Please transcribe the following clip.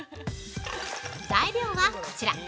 材料はこちら。